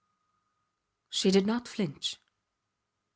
She did not flinch.